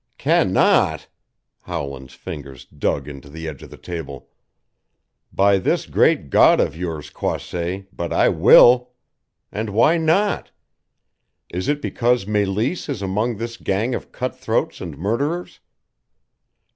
"Can not!" Howland's fingers dug into the edge of the table. "By this great God of yours, Croisset, but I will! And why not? Is it because Meleese is among this gang of cut throats and murderers?